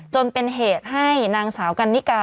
จนเป็นเหตุให้นางสาวกันนิกา